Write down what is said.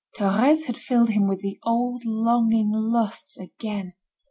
Thérèse had filled him with the old longing lusts again.